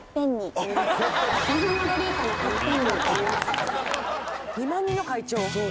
そう２万人の会長。